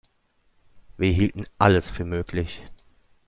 Wir hielten alles für möglich.